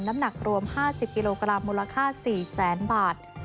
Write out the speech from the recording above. น้ำหนักรวม๕๐กิโลกรัมมูลค่า๔แสนบาท